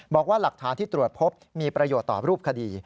บอกว่าหลักฐานที่ตรวจพบมีประโยชน์ต่อรูปคดี